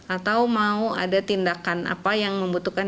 atau mau ada tindakan apa yang membutuhkan